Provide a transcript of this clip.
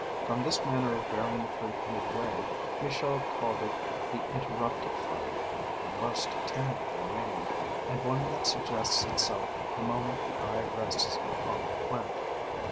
From this manner of bearing the fruit midway, Michaux called it the Interrupted Fern, a most tangible name, and one that suggests itself the moment the eye rests upon the plant.